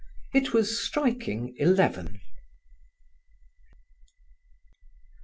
It was striking eleven.